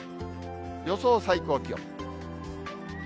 予想最高気温。